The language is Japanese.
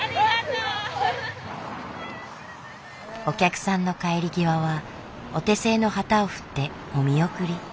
お客さんの帰り際はお手製の旗を振ってお見送り。